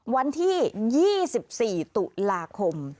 วันที่๒๔ตุลาคม